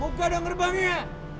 woy muka dong gerbangnya